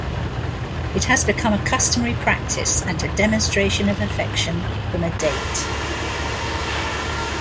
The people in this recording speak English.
It has become a customary practice and a demonstration of affection from a date.